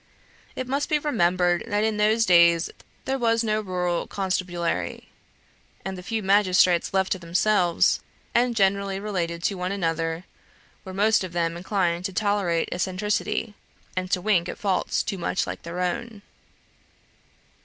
It must be remembered that in those days there was no rural constabulary; and the few magistrates left to themselves, and generally related to one another, were most of them inclined to tolerate eccentricity, and to wink at faults too much like their own.